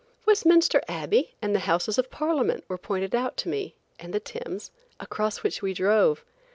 Westminster Abbey and the Houses of Parliament were pointed out to me, and the Thames, across which we drove.